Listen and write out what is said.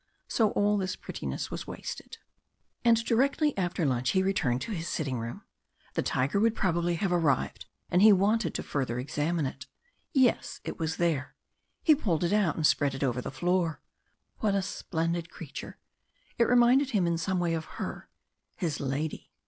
So all this prettiness was wasted. And directly after lunch he returned to his sitting room. The tiger would probably have arrived, and he wanted to further examine it. Yes, it was there. He pulled it out and spread it over the floor. What a splendid creature it reminded him in some way of her his lady.